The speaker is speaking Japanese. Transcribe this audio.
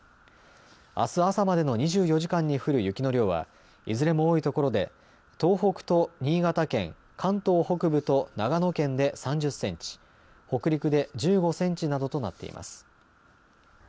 あす朝までの２４時間に降る雪の量はいずれも多いところで東北と新潟県、関東北部と長野県で３０センチ、北陸で１５センチなどとなっています。